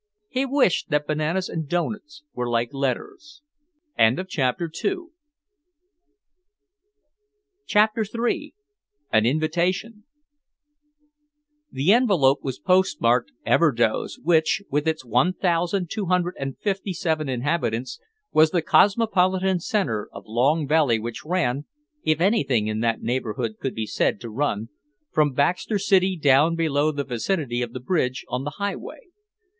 He wished that bananas and doughnuts were like letters.... CHAPTER III AN INVITATION The envelope was postmarked Everdoze which, with its one thousand two hundred and fifty seven inhabitants, was the cosmopolitan center of Long Valley which ran (if anything in that neighborhood could be said to run) from Baxter City down below the vicinity of the bridge on the highway.